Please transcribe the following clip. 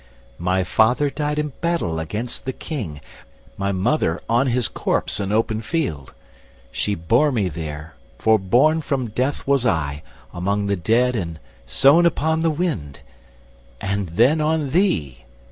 My father died in battle against the King, My mother on his corpse in open field; She bore me there, for born from death was I Among the dead and sown upon the wind— And then on thee!